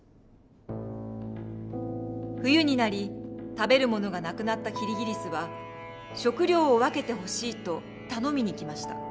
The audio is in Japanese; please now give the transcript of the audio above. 冬になり食べるものが無くなったキリギリスは食料を分けてほしいと頼みに来ました。